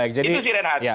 itu sih renat